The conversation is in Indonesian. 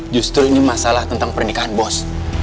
justru ini masalah tentang pernikahan bos